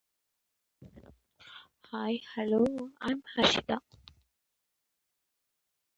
Alone, the trigger is a bistable multivibrator.